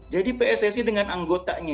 jadi pssc dengan anggotanya